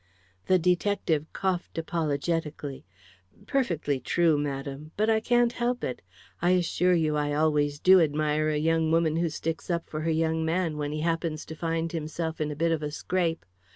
The detective coughed apologetically. "Perfectly true, madam. But I can't help it. I assure you I always do admire a young woman who sticks up for her young man when he happens to find himself in a bit of a scrape.